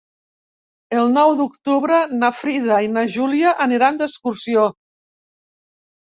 El nou d'octubre na Frida i na Júlia aniran d'excursió.